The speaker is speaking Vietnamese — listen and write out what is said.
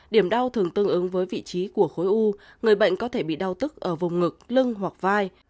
điểm đau thường tương ứng với vị trí của khối u người bệnh có thể bị đau tức ở vùng ngực lưng hoặc vai